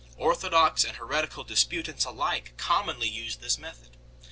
Orthodox and heretical disputants alike commonly used this method.